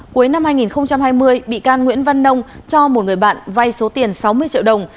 cuối năm hai nghìn hai mươi bị can nguyễn văn nông cho một người bạn vay số tiền sáu mươi triệu đồng